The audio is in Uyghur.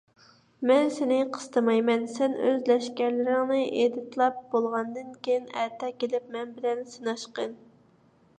مەن سېنى قىستىمايمەن. سەن ئۆز لەشكەرلىرىڭنى ئېدىتلاپ بولغاندىن كېيىن، ئەتە كېلىپ مەن بىلەن سىناشقىن.